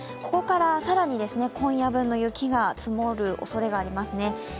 ここから更に今夜分の雪が積もるおそれがありますね。